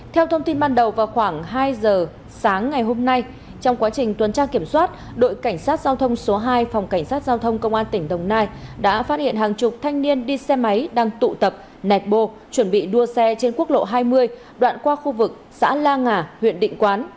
theo thông tin ban đầu vào khoảng hai giờ sáng ngày hôm nay trong quá trình tuần tra kiểm soát đội cảnh sát giao thông số hai phòng cảnh sát giao thông công an tỉnh đồng nai đã phát hiện hàng chục thanh niên đi xe máy đang tụ tập nẹt bô chuẩn bị đua xe trên quốc lộ hai mươi đoạn qua khu vực xã la ngà huyện định quán